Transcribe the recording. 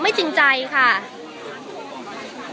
มีแต่โดนล้าลาน